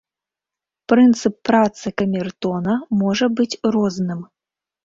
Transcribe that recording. Прынцып працы камертона можа быць розным.